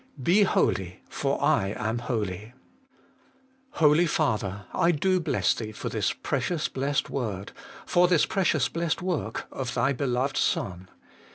BE HOLY, FOR I AM HOLY. Holy Father ! I do bless Thee for this precious blessed word, for this precious blessed work of Thy beloved Son.